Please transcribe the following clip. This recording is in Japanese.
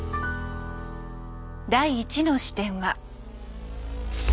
第１の視点は。